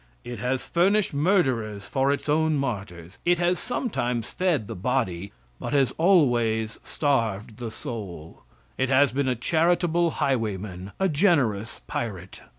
It has furnished murderers for its own martyrs. It has sometimes fed the body, but has always starved the soul. It has been a charitable highwayman, a generous pirate.